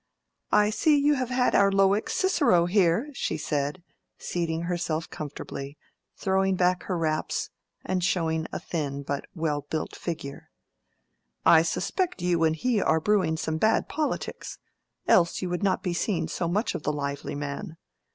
"I see you have had our Lowick Cicero here," she said, seating herself comfortably, throwing back her wraps, and showing a thin but well built figure. "I suspect you and he are brewing some bad polities, else you would not be seeing so much of the lively man.